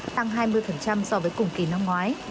tăng hai mươi so với cùng kỳ năm ngoái